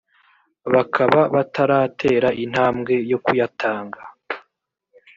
bakaba bataratera intambwe yo kuyatanga